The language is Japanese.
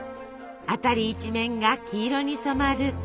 辺り一面が黄色に染まる